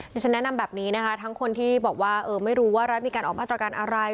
ที่ฉันแนะนำแบบนี้นะคะทั้งคนที่บอกว่าไม่รู้ว่ารัฐมีการออกมาตรการอะไร